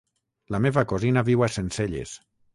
La meva cosina viu a Sencelles.